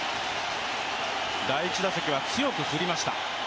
第１打席は強く振りました。